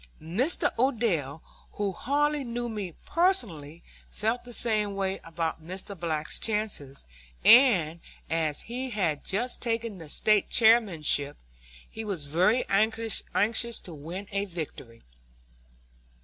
Mr. Odell, who hardly knew me personally, felt the same way about Mr. Black's chances, and, as he had just taken the State Chairmanship, he was very anxious to win a victory.